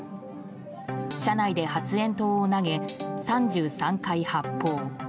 車内で発煙筒を投げ３３回発砲。